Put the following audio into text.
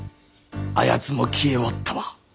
あやつも消えおったわ。